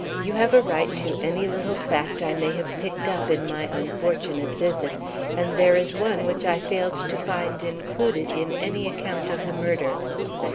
You have a right to any little fact I may have picked up in my unfortunate visit, and there is one which I failed to find included in any account of the murder.